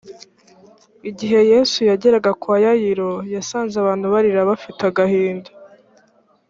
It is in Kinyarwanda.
igihe yesu yageraga kwa yayiro yasanze abantu barira bafite agahinda